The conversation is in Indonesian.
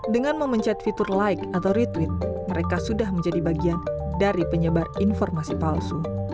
dengan memencet fitur like atau retweet mereka sudah menjadi bagian dari penyebar informasi palsu